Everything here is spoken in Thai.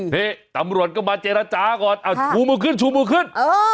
นี่ตำรวจก็มาเจรจาก่อนเอาชูมือขึ้นชูมือขึ้น